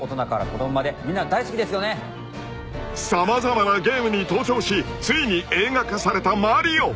［様々なゲームに登場しついに映画化されたマリオ］